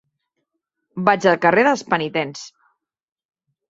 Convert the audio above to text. Vaig al carrer dels Penitents.